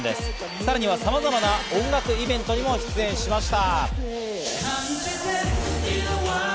さらにはさまざまな音楽イベントにも出演しました。